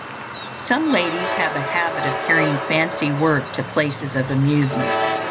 Some ladies have a habit of carrying fancy work to places of amusement.